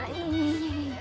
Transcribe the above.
いやいや。